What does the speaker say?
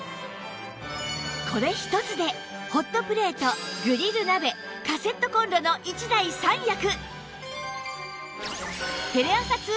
これ一つでホットプレートグリル鍋カセットコンロの１台３役！